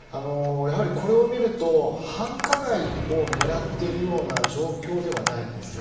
これを見ると繁華街を狙っているような状況ではないんですね。